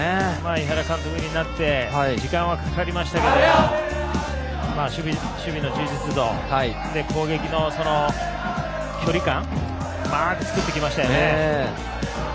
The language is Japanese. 井原監督になって時間はかかりましたけど守備の充実度、攻撃の距離感をうまく作ってきましたよね。